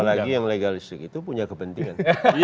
apalagi yang legalistik itu punya kepentingan